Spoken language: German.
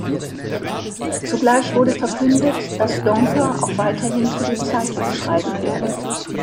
Zugleich wurde verkündet, dass Donker auch weiterhin für die Zeitung schreiben werde.